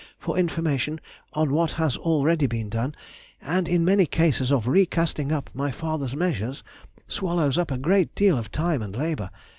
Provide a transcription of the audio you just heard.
for information on what has already been done, and in many cases of re casting up my father's measures, swallows up a great deal of time and labour.